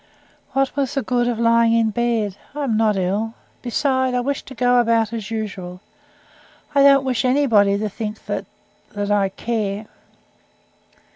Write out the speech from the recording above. "What was the good of lying in bed? I am not ill. Besides, I wish to go about as usual. I don't wish anybody to think that that I care."